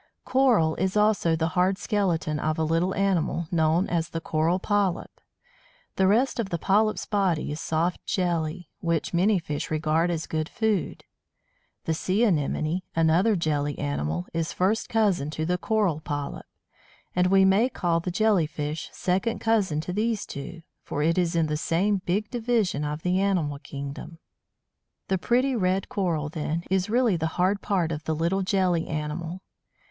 Coral is also the hard skeleton of a little animal, known as the Coral Polyp. The rest of the polyp's body is soft jelly, which many fish regard as good food. The Sea Anemone another jelly animal is first cousin to the Coral Polyp. And we may call the Jellyfish second cousin to these two, for it is in the same big division of the animal kingdom. The pretty red Coral, then, is really the hard part of a little jelly animal.